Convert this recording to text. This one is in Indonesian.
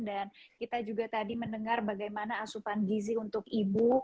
dan kita juga tadi mendengar bagaimana asupan gizi untuk ibu